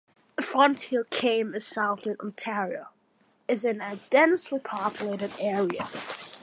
The Fonthill Kame in southern Ontario is in a densely populated area.